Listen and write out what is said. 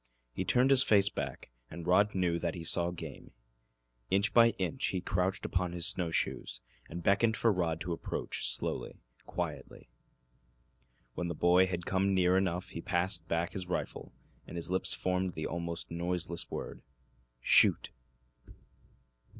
He turned his face back, and Rod knew that he saw game. Inch by inch he crouched upon his snow shoes, and beckoned for Rod to approach, slowly, quietly. When the boy had come near enough he passed back his rifle, and his lips formed the almost noiseless word, "Shoot!"